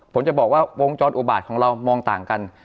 ผมจะบอกว่าวงจรอุบาตของเรามองต่างกัน